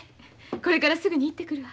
これからすぐに行ってくるわ。